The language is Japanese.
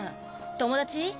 友達？